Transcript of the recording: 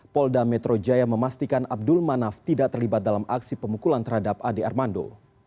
polda metro jaya memastikan abdul manaf tidak terlibat dalam aksi pemukulan terhadap ade armando